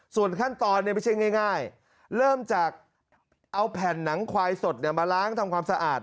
ส่วนขั้นตอนไม่ใช่ง่ายเริ่มจากเอาแผ่นหนังควายสดมาล้างทำความสะอาด